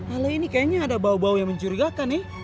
ale ini kayaknya ada bau bau yang mencurigakan nih